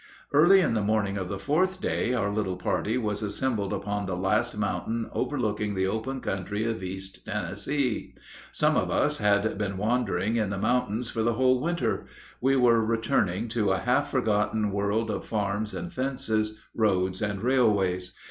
Early in the morning of the fourth day our little party was assembled upon the last mountain overlooking the open country of East Tennessee. Some of us had been wandering in the mountains for the whole winter. We were returning to a half forgotten world of farms and fences, roads and railways.